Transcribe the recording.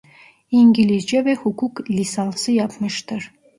İngilizce ve Hukuk lisansı yapmıştır.